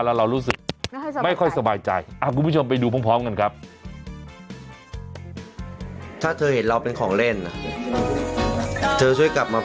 แล้วเรารู้สึกไม่ค่อยสบายใจคุณผู้ชมไปดูพร้อมกันครับ